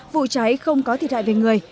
vụ cháy không có thiệt hại về người